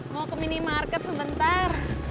mau ke minimarket sebentar